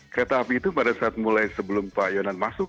kereta api itu pada saat mulai sebelum pak yonan masuk